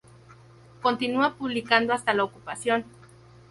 Continúa publicando hasta la Ocupación.